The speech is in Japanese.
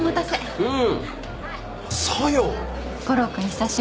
うん。